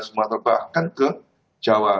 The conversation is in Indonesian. sumatera bahkan ke jawa